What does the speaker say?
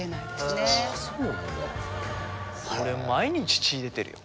俺毎日血出てるよ。